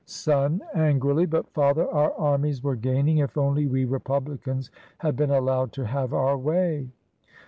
Son {angrily), "But, father, our armies were gaining, if only we republicans had been allowed to have our way."